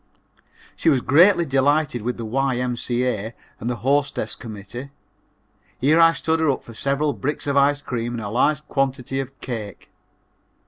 She was greatly delighted with the Y.M.C.A. and the Hostess Committee. Here I stood her up for several bricks of ice cream and a large quantity of cake.